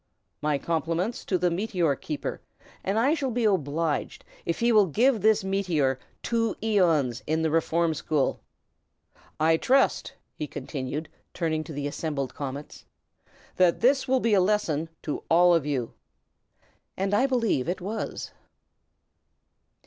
My compliments to the Meteor Keeper, and I shall be obliged if he will give this meteor two æons in the Reform School. I trust," he continued, turning to the assembled comets, "that this will be a lesson to all of you!" And I believe it was.